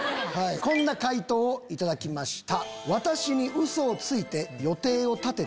こんな回答を頂きました。